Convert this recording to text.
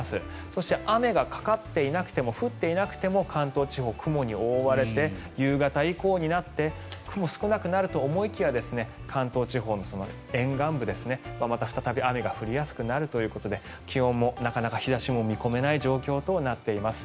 そして、雨がかかっていなくても振っていなくても関東地方、雲に覆われて夕方以降になって雲、少なくなると思いきや関東地方の沿岸部ではまた再び雨が降りやすくなるということで気温もなかなか日差しも見込めない状況となっています。